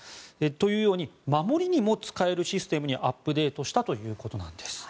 というように守りにも使えるシステムにアップデートしたということです。